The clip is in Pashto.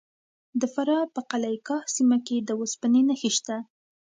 د فراه په قلعه کاه کې د وسپنې نښې شته.